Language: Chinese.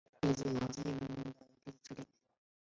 即有地质遗迹资源分布的地点。